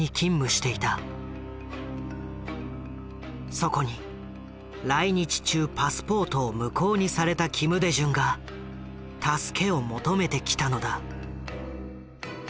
そこに来日中パスポートを無効にされた金大中が助けを求めてきたのだ。